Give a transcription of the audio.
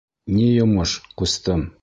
— Ни йомош, ҡустым?